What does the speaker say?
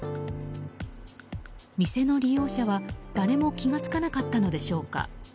店の利用者は誰も気が付かなかったのでしょうか。